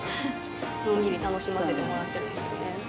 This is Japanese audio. のんびり楽しませてもらってるんですよね。